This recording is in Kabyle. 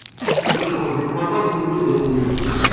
Yecɣeb-ikem aṭas lmizan-nnem.